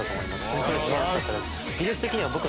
ホントに素晴らしかったです。